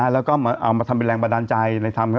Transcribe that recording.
แล้วก็เอามาทำเป็นแรงประดานใจ